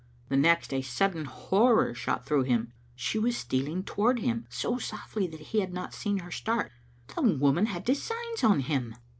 The next a sudden horror shot through him. She was stealing toward him, so softly that he had not seen her start. The woman had designs on him!